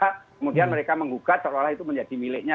kemudian mereka menggugat seolah olah itu menjadi miliknya